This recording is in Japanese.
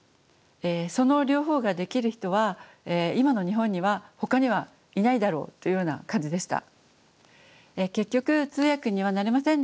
その両方ができる人は今の日本にはほかにはいないだろうというような感じでした。